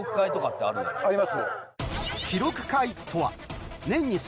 あります。